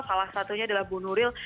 salah satunya adalah bu nuril